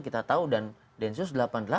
kita tahu dan densus delapan puluh delapan